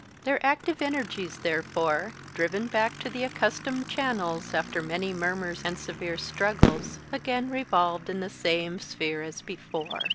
Their active energies, therefore, driven back to the accustomed channels, after many murmurs and severe struggles, again revolved in the same sphere as before.